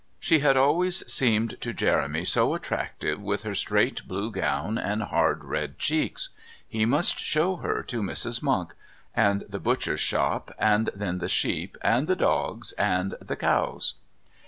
She had always seemed to Jeremy so attractive with her straight blue gown and hard red cheeks. He must show her to Mrs. Monk. And the butcher's shop, and then the sheep, and the dogs and the cows!